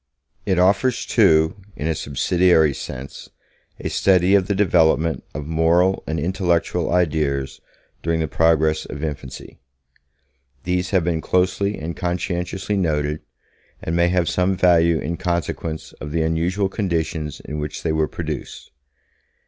It offers, too, in a subsidiary sense, a study of the development of moral and intellectual ideas during the progress of infancy. These have been closely and conscientiously noted, and may have some value in consequence of the unusual conditions in which they were produced.